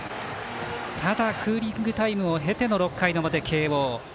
ただ、クーリングタイムを経ての６回の表慶応。